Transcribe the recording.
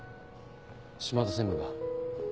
島田専務が？